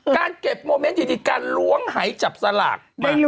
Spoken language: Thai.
การเก็บโมเมนต์อยู่ดีการล้วงหายจับสลาก